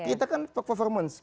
kita kan performance